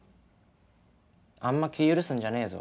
あんま気ぃ許すんじゃねえぞ。